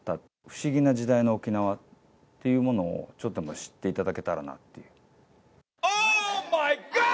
不思議な時代の沖縄っていうものを、ちょっとでも知っていただけたらなと。